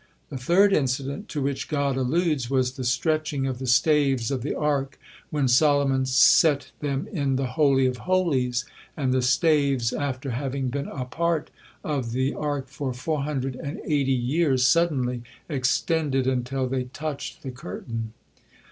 The third incident to which God alludes was the stretching of the staves of the Ark when Solomon set them in the Holy of Holies, and the staves, after having been apart of the Ark for four hundred and eighty years, suddenly extended until they touched the curtain.